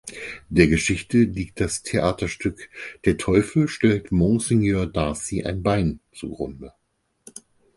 Der Geschichte liegt das Theaterstück "Der Teufel stellt Monsieur Darcy ein Bein" zugrunde.